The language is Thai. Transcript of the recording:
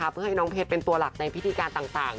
เพื่อให้น้องเพชรเป็นตัวหลักในพิธีการต่าง